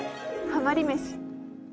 ハマり飯。